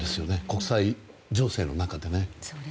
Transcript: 国際情勢の中でね。